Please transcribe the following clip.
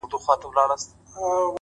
• په سپينه زنه كي خال ووهي ويده سمه زه؛